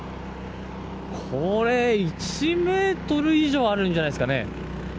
これ１メートル以上あるんじゃないんですかね。